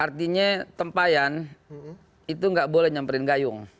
artinya tempayan itu nggak boleh nyamperin gayung